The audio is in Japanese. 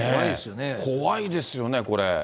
怖いですよね、これ。